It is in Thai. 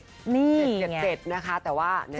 เจ็ดนะคะแต่ว่า